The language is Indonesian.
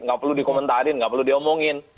nggak perlu dikomentarin nggak perlu diomongin